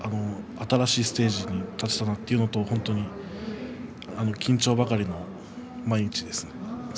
新しいステージに立っているなということと緊張ばかりで毎日です。